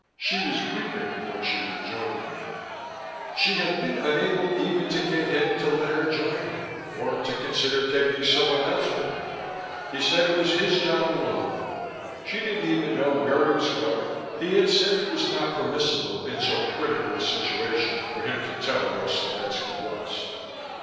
She was weeping when she rejoined me. She had been unable even to get him to let her join him, or to consider taking someone else with him; he said it was his job alone. She didn't even know where he was going. He had said it was not permissible, in so critical a situation, for him to tell where Slovetski was.